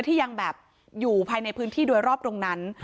ที่ยังแบบอยู่ภายในพื้นที่โดยรอบตรงนั้น